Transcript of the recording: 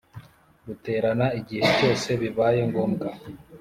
Ruterana igihe cyose bibaye ngombwa